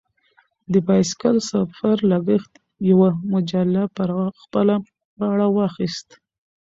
د بایسکل سفر لګښت یوه مجله پر خپله غاړه واخیست.